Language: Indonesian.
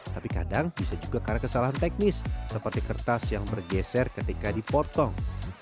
tapi kadang bisa juga karena kesalahan teknis seperti kertas yang bergeser ketika dipotong